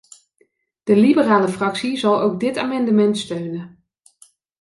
De liberale fractie zal ook dit amendement steunen.